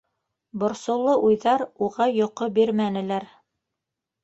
Борсоулы уйҙар уға йоҡо бирмәнеләр.